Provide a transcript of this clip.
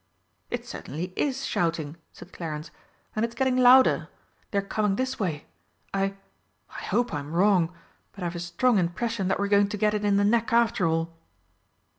"It certainly is shouting," said Clarence, "and it's getting louder. They're coming this way. I I hope I'm wrong but I've a strong impression that we're going to get it in the neck after all!"